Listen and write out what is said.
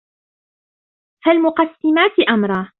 فَالمُقَسِّماتِ أَمرًا